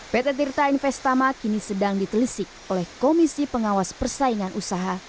pt tirta investama kini sedang ditelisik oleh komisi pengawas persaingan usaha